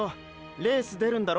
レース出るんだろ？